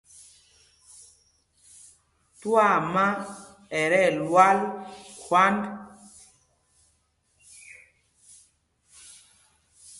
Twaama ɛ tí ɛlwal khwǎnd.